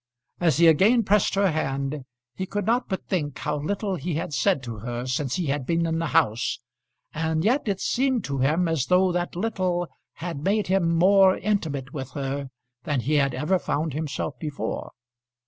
As he again pressed her hand he could not but think how little he had said to her since he had been in the house, and yet it seemed to him as though that little had made him more intimate with her than he had ever found himself before.